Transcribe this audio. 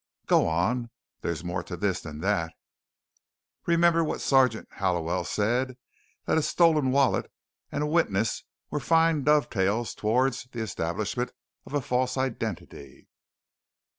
"Go on. There's more to this than that." "Remember what Sergeant Hollowell said: That a stolen wallet and a witness were fine dovetails towards the establishment of a false identity?"